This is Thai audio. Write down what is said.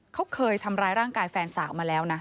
เขาเคยทำร้ายร่างกายแฟนสาวมาแล้วนะ